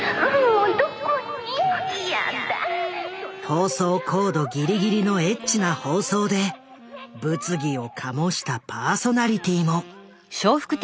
放送コードギリギリのエッチな放送で物議を醸したパーソナリティーも。